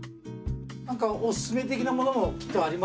何かお薦め的なものもきっとありますよね。